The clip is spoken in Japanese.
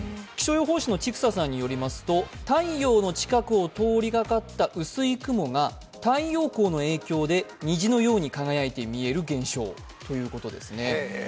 気象予報士の千種さんによりますと太陽の近くを通りかかった薄い雲が太陽光の影響で虹のように輝いて見える現象ということですね。